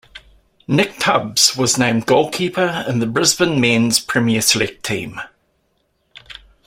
Nick Tubbs was named Goalkeeper in the Brisbane Men's Premier Select Team.